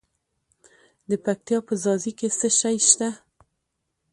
د پکتیا په ځاځي کې څه شی شته؟